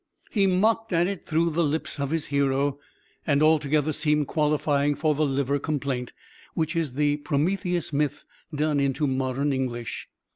He mocked at it through the lips of his hero, and altogether seemed qualifying for the liver complaint, which is the Prometheus myth done into modern English.